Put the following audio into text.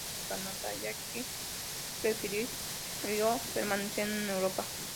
Su mujer no le acompañó al Canadá, ya que prefirió permanecer en Europa.